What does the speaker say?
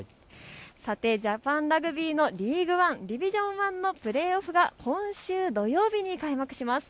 さてジャパンラグビーのリーグワンディビジョン１のプレーオフが今週土曜日に開幕します。